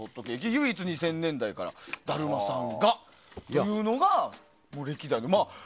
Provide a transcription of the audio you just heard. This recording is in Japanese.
唯一２０００年代から「だるまさんが」というのが歴代の。